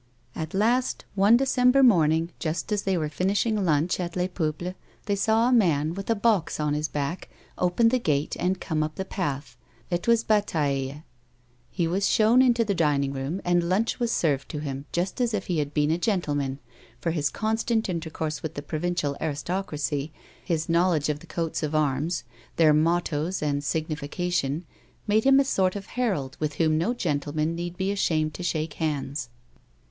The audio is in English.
At last, one December morning just as they were finishing lunch at Les Peuples, they saw a man, with a box on his back, open the gate and come up the path ; it was Bataille. He was shown into the dining room, and lunch was served to him just as if he had been a gentleman, for his constant intercourse with the provincial aristocracy, his knowledge of the coats of arms, their mottoes and signification, made him a sort of herald with whom no gentleman need be ashamed to shake hands.